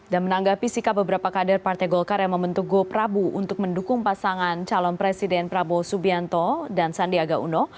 dan menanggapi sikap beberapa kader partai golkar yang membentuk go prabu untuk mendukung pasangan calon presiden prabowo subianto dan sandiaga uno